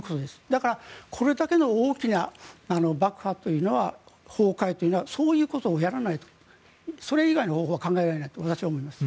だから、これだけの大きな爆破崩壊というのはそういうことをやらないとそれ以外の方法が考えられないと思います。